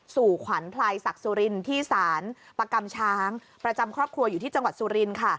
สู่ขวัญพลายศักดิ์สุรินที่ศาลประกรรมช้างประจำครอบครัวอยู่ที่จังหวัดสุรินค่ะ